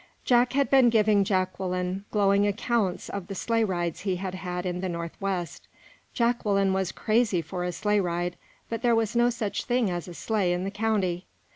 Jack had been giving Jacqueline glowing accounts of the sleigh rides he had had in the Northwest. Jacqueline was crazy for a sleigh ride, but there was no such thing as a sleigh in the county.